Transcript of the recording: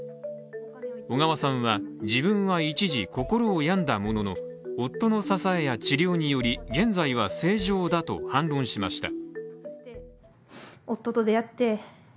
小川さんは自分は一時、心を病んだものの夫の支えや治療により現在は正常だと反論しました。